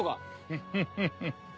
フフフフ。